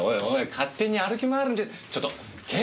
勝手に歩き回るんじゃちょっと警部！